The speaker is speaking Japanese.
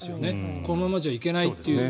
このままじゃいけないっていう。